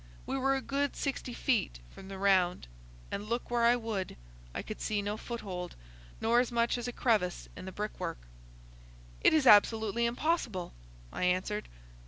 We were a good sixty feet from the ground, and, look where I would, I could see no foothold, nor as much as a crevice in the brick work. "It is absolutely impossible," I answered.